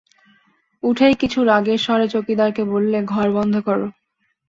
উঠেই কিছু রাগের স্বরে চৌকিদারকে বললে, ঘর বন্ধ করো।